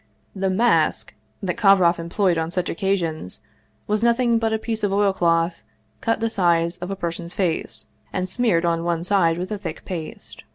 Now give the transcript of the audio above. The " mask " that Kovroff employed on such occasions was nothing but a piece of oilcloth cut the size of a per son's face, and smeared on one side with a thick paste.